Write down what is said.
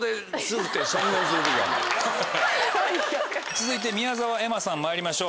続いて宮澤エマさんまいりましょう。